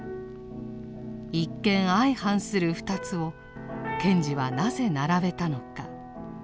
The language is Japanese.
一見相反する二つを賢治はなぜ並べたのか。